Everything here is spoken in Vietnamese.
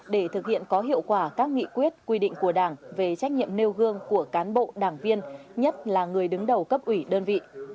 để thực hiện có hiệu quả các nghị quyết quy định của đảng về trách nhiệm nêu gương của cán bộ đảng viên nhất là người đứng đầu cấp ủy đơn vị